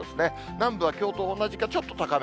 南部はきょうと同じかちょっと高め。